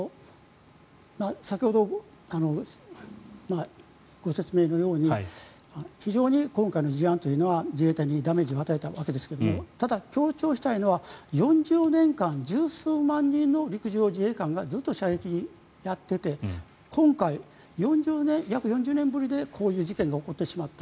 先ほど、ご説明のように非常に今回の事案というのは自衛隊にダメージを与えたわけですがただ、強調したいのは４０年間１０数万人の陸上自衛官がずっと射撃をやっていて今回、約４０年ぶりにこういう事件が起こってしまった。